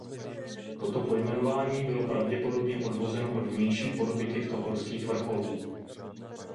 Toto pojmenování bylo pravděpodobně odvozeno od vnější podoby těchto horských vrcholů.